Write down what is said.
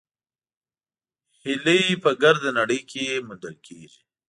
هیلۍ په ګرده نړۍ کې موندل کېږي